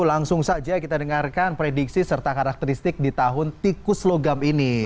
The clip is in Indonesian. langsung saja kita dengarkan prediksi serta karakteristik di tahun tikus logam ini